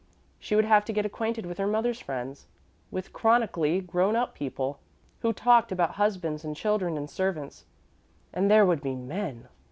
She would have to get acquainted with her mother's friends with chronically grown up people, who talked about husbands and children and servants. And there would be men.